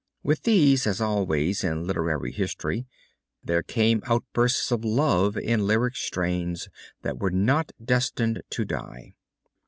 With these as always in literary history there came outbursts of love in lyric strains that were not destined to die.